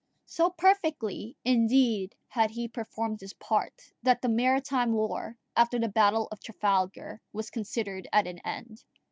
So perfectly, indeed, had he performed his part, that the maritime war, after the battle of Trafalgar, was considered at an end.